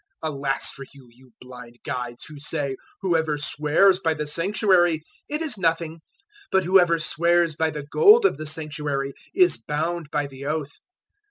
023:016 "Alas for you, you blind guides, who say, "`Whoever swears by the Sanctuary it is nothing; but whoever swears by the gold of the Sanctuary, is bound by the oath.'